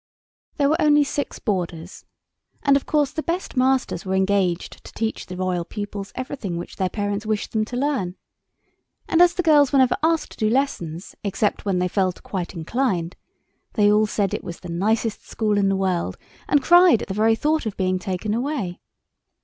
There were only six boarders, and of course the best masters were engaged to teach the royal pupils everything which their parents wished them to learn, and as the girls were never asked to do lessons except when they felt quite inclined, they all said it was the nicest school in the world, and cried at the very thought of being taken away.